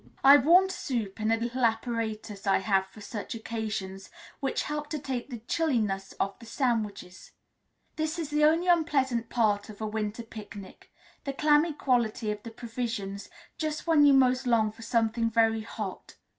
I warmed soup in a little apparatus I have for such occasions, which helped to take the chilliness off the sandwiches, this is the only unpleasant part of a winter picnic, the clammy quality of the provisions just when you most long for something very hot.